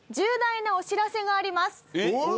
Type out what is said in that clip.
えっ？